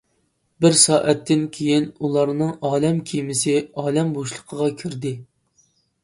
بىر سائەتتىن كېيىن ئۇلارنىڭ ئالەم كېمىسى ئالەم بوشلۇقىغا كىردى.